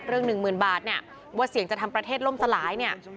เรื่อง๑๐๐๐๐บาทว่าเสี่ยงจะทำประเทศล่มสลาย